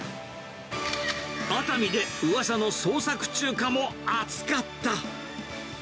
熱海でうわさの創作中華も熱かった。